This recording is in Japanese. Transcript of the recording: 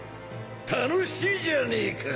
楽しいじゃねえか！